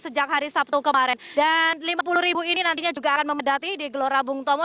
sejak hari sabtu kemarin dan lima puluh ribu ini nantinya juga akan memedati di gelora bung tomo